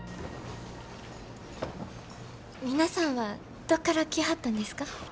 皆さんはどっから来はったんですか？